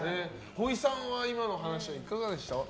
ほいさんは今の話はいかがでした？